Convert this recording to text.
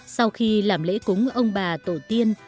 sau khi làm lễ cúng ông bà tổ tiên